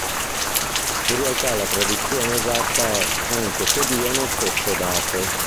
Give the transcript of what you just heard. In realtà la traduzione esatta è: "Anche se dio non fosse dato".